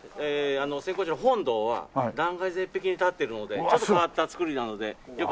千光寺の本堂は断崖絶壁に立ってるのでちょっと変わった造りなのでよかったら。